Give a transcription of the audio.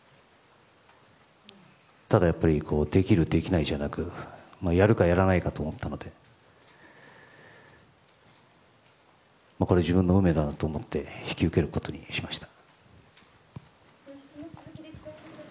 ただやっぱりできる、できないじゃなくやるか、やらないかと思ったのでこれは自分の運命だなと思って引き受けることにしました。